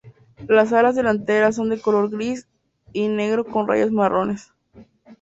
Las alas delanteras son de color gris y negro con rayas marrones.